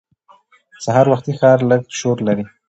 سهار وختي ښار لږ شور لري